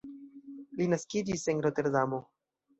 Li naskiĝis en Roterdamo.